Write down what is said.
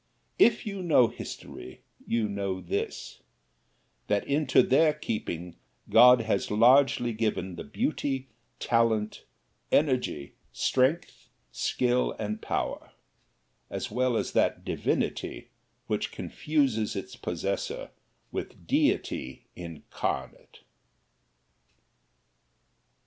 If you know history, you know this: that into their keeping God has largely given the beauty, talent, energy, strength, skill and power, as well as that divinity which confuses its possessor with Deity Incarnate.